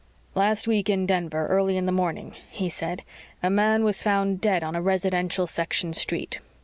"Last week, in Denver, early in the morning," he said, "a man was found dead on a residential section street.